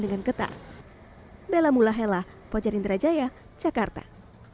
dan juga menerapkan protokol kesehatan dengan getah